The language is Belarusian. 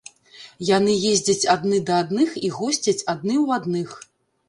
Яны ездзяць адны да адных і госцяць адны ў адных.